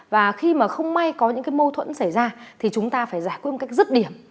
và khi mà không may có những cái mâu thuẫn xảy ra thì chúng ta phải giải quyết một cách dứt điểm